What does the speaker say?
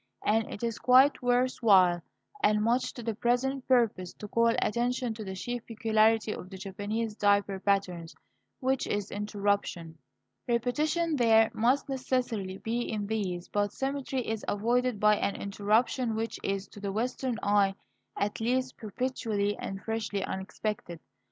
And it is quite worth while, and much to the present purpose, to call attention to the chief peculiarity of the Japanese diaper patterns, which is interruption. Repetition there must necessarily be in these, but symmetry is avoided by an interruption which is, to the Western eye, at least, perpetually and freshly unexpected.